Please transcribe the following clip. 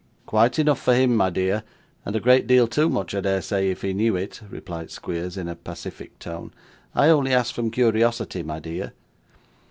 'Quite enough for him, my dear, and a great deal too much I dare say, if he knew it,' replied Squeers in a pacific tone. 'I only ask from curiosity, my dear.